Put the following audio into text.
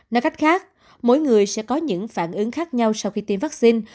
nói cách khác mỗi người sẽ có những phản ứng khác nhau sau khi tiêm vaccine